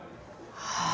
はあ？